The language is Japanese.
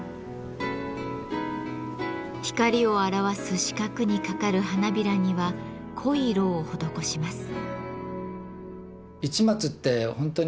光を表す四角にかかる花びらには濃い色を施します。